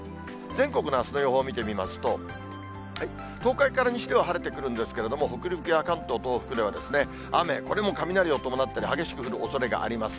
全国のあすの予報を見てみますと、東海から西では晴れてくるんですけれども、北陸や関東、東北では雨、これも雷を伴ったり、激しく降るおそれがあります。